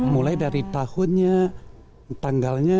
mulai dari tahunnya tanggalnya